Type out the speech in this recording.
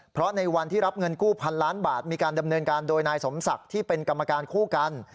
เพราะในวันที่รับเงินกู้พันล้านบาทมีการดำเนินการโดยนายสมศักดิ์ที่เป็นกรรมการคู่กัน